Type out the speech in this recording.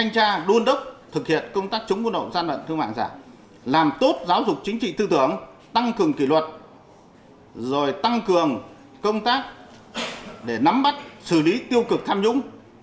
công tác để nắm bắt xử lý tiêu cực tham nhũng